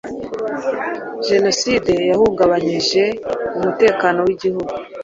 Jenoside yahungabanyije umutekano w’Igihugu.